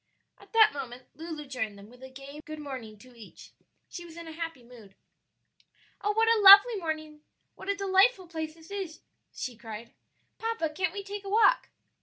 At that moment Lulu joined them with a gay good morning to each; she was in a happy mood. "Oh, what a lovely morning! what a delightful place this is!" she cried. "Papa, can't we take a walk?"